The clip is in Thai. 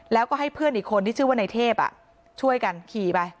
แล้วก็ให้เพื่อนอีกคนที่ชื่อว่าในเทพช่วยกันขี่ไป